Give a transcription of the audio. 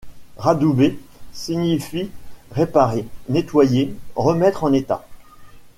Radouber signifie réparer, nettoyer, remettre en état.